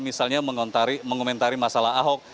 misalnya mengomentari masalah ahok